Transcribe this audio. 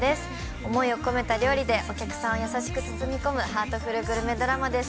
想いを込めた料理で、お客さんを優しく包み込む、ハートフルグルメドラマです。